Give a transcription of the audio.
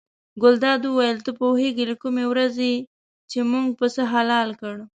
ګلداد وویل ته پوهېږې له کومې ورځې چې موږ پسه حلال کړ.